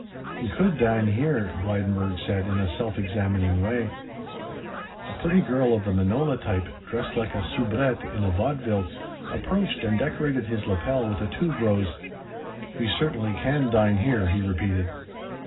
"We could dine here," Blydenburg said in a self examining way. A pretty girl of the manola type, dressed like a soubrette in a vaudeville, approached and decorated his lapel with a tube rose. "We certainly can dine here," he repeated.